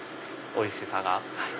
おいしさが。